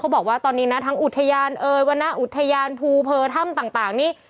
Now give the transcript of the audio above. บอกว่าตอนนี้นะทั้งอุทยานเอ่ยวรรณอุทยานภูเพอร์ถ้ำต่างนี้